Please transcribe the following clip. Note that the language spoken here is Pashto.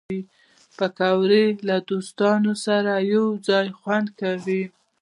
پکورې له دوستانو سره یو ځای خوند کوي